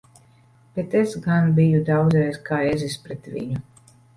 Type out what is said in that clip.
Bet es gan biju daudzreiz kā ezis pret viņu!